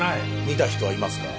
見た人はいますか？